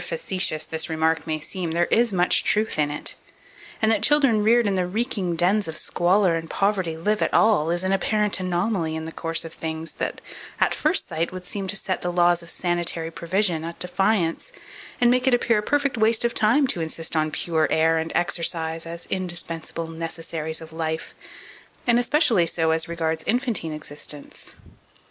However facetious this remark may seem, there is much truth in it; and that children, reared in the reeking dens of squalor and poverty, live at all, is an apparent anomaly in the course of things, that, at first sight, would seem to set the laws of sanitary provision at defiance, and make it appear a perfect waste of time to insist on pure air and exercise as indispensable necessaries of life, and especially so as regards infantine existence.